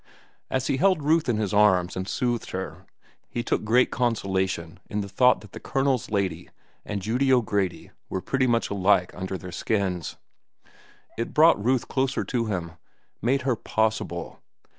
As he held Ruth in his arms and soothed her, he took great consolation in the thought that the Colonel's lady and Judy O'Grady were pretty much alike under their skins. It brought Ruth closer to him, made her possible.